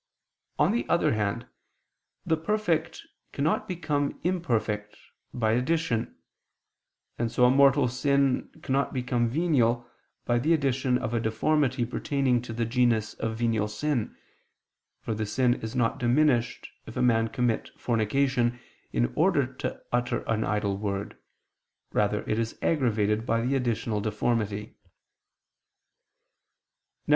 On the other hand, the perfect cannot become imperfect, by addition; and so a mortal sin cannot become venial, by the addition of a deformity pertaining to the genus of venial sin, for the sin is not diminished if a man commit fornication in order to utter an idle word; rather is it aggravated by the additional deformity.